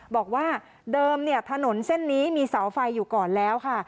บอกว่าเดิมถนนเส้นนี้มีเสาไฟอยู่ก่อนแล้วค่ะ